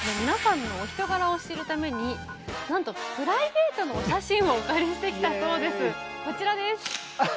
皆さんのお人柄を知るためになんとプライベートのお写真をお借りしてきたそうです。